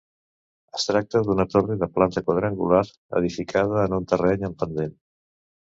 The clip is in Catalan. Es tracta d'una torre de planta quadrangular edificada en un terreny amb pendent.